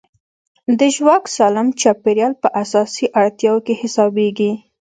د ژواک سالم چاپېریال په اساسي اړتیاوو کې حسابېږي.